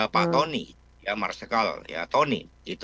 pak tony ya marskal ya tony